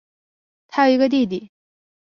她有一个弟弟。